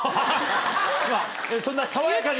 そんな。